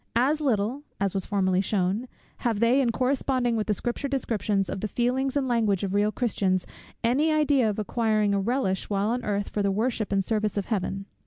As little (as was formerly shewn) have they, in correspondence with the Scripture descriptions of the feelings and language of real Christians, any idea of acquiring a relish while on earth, for the worship and service of Heaven.